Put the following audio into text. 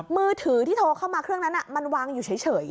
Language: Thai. มือถือที่โทรเข้ามาเครื่องนั้นมันวางอยู่เฉย